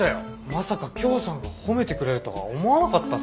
まさかきょーさんが褒めてくれるとは思わなかったっすね。